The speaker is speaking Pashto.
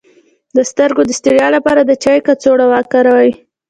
د سترګو د ستړیا لپاره د چای کڅوړه وکاروئ